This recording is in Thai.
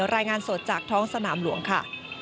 รายงานสดจากท้องสนามหลวงค่ะ